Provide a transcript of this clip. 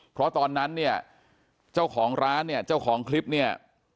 เพราะตอนนั้นเนี่ยเจ้าของร้านเนี่ยเจ้าของคลิปเนี่ย